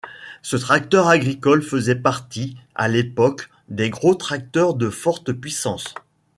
Ce tracteur agricole faisait partie, à l'époque, des gros tracteurs de forte puissance.